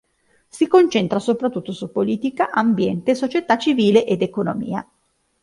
Si concentra soprattutto su politica, ambiente, società civile ed economia.